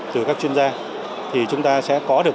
từ các chuyên gia thì chúng ta sẽ có được